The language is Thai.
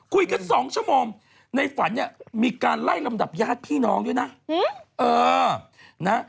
คุยกัน๒ชั่วโมงในฝันเนี่ยมีการไล่ลำดับญาติพี่น้องด้วยนะเออนะ